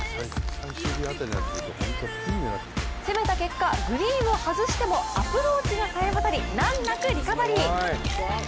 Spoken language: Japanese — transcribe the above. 攻めた結果、グリーンを外してもアプローチがさえ渡り難なくリカバリー。